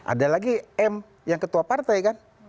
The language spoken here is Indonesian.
ada lagi m yang ketua partai kan